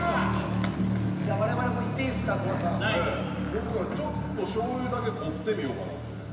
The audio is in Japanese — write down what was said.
今回はちょっと醤油だけ凝ってみようかなと。